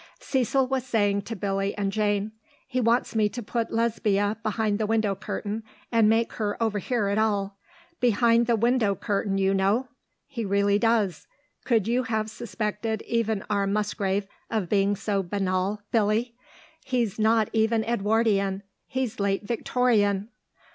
Cecil was saying to Billy and Jane, "He wants me to put Lesbia behind the window curtain, and make her overhear it all. Behind the window curtain, you know! He really does. Could you have suspected even our Musgrave of being so banal, Billy? He's not even Edwardian he's late Victorian...."